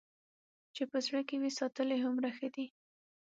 چې په زړه کې وي ساتلې هومره ښه ده.